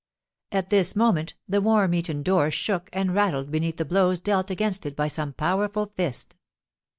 At this moment the worm eaten door shook and rattled beneath the blows dealt against it by some powerful fist.